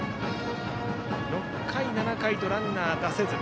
６回、７回とランナーを出せず。